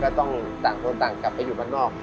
ก็ต้องต่างตัวต่างกลับไปอยู่บ้านนอก